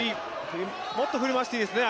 もっと振り回していいですね。